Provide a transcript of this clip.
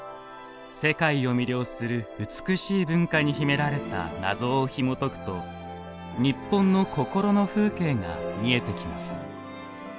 世界を魅了する美しい文化に秘められた謎をひもとくと日本の心の風景が見えてきます。